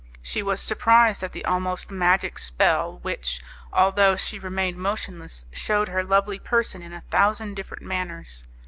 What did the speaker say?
She was surprised at the almost magic spell which, although she remained motionless, shewed her lovely person in a thousand different manners.